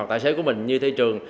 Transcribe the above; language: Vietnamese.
tại xe của mình như thị trường